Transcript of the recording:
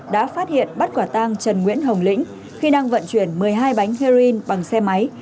đã phát hiện bắt quả tang trần nguyễn hồng lĩnh khi đang vận chuyển một mươi hai bánh heroin bằng xe máy